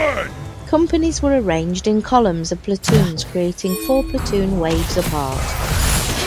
Companies were arranged in columns of platoons, creating four platoon waves apart.